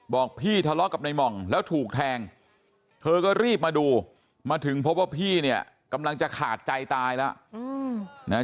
บอกพี่ทะเลาะกับในหม่องแล้วถูกแทงเธอก็รีบมาดูมาถึงพบว่าพี่เนี่ยกำลังจะขาดใจตายแล้วนะฮะ